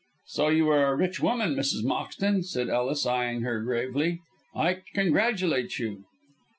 "So you are a rich woman, Mrs. Moxton," said Ellis, eyeing her gravely. "I congratulate you."